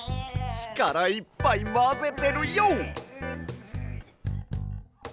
ちからいっぱいまぜてるＹＯ！